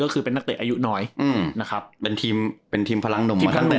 ก็คือเป็นนักเตะอายุน้อยเป็นทีมพลังดมมาตั้งแต่ไหนแต่ไร